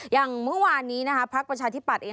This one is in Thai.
อย่างเมื่อวานนี้นะครับภาคประชาธิบัตรเอง